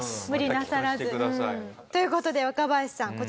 無理なさらず。という事で若林さん